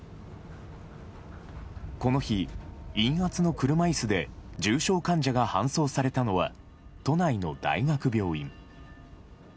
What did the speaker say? この日、陰圧の車いすで重症患者が搬送されたのは、都内の大学病院。